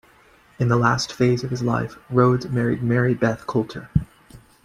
In the last phase of his life, Rhodes married Mary Beth Coulter.